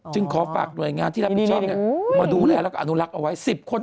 จึงขอฝากหน่วยงานที่เรียบผิดโชคเนี่ยมาดูแลแล้วก็อนุรักษ์เอาไว้